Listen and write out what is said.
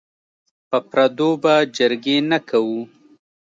په پردو به جرګې نه کوو.